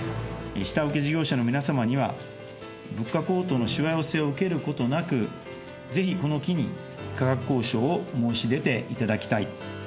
下請け事業者の皆様には、物価高騰のしわ寄せを受けることなく、ぜひこの機に、価格交渉を申し出ていただきたい。